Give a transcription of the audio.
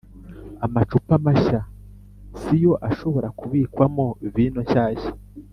amacupa mashya ni yo ashobora kubikwamo vino nshyashya